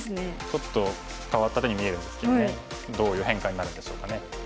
ちょっと変わった手に見えるんですけどねどういう変化になるんでしょうかね。